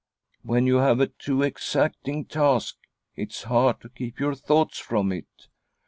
" When you • 'have a too exacting . task, it's hard to keep your thoughts from it.